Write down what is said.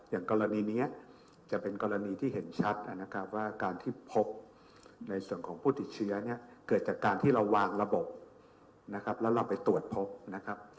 อย่างกรณีนี้จะเป็นกรณีที่เห็นชัดว่าการที่พบในส่วนของผู้ติดเชื้อเกิดจากการที่เราวางระบบแล้วเราไปตรวจพบ